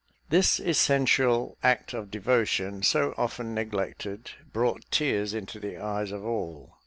This essential act of devotion, so often neglected, brought tears into the eyes of all.